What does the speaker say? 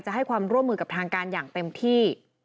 ให้ความร่วมมือกับทางการอย่างเต็มที่